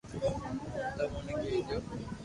ھون تموني ڪئي ديو